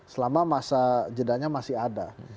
selama masa jedanya masih ada